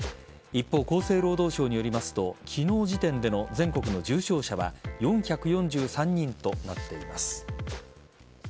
一方、厚生労働省によりますと昨日時点での全国の重症者は４４３人となっています。